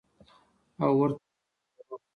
او ورته اړتیا لرو.